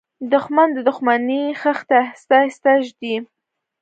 دښمن د دښمنۍ خښتې آهسته آهسته ږدي